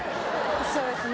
そうですね。